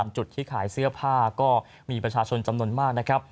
จุดที่ขายเสื้อผ้าก็มีประชาชนจำนวนมากนะครับ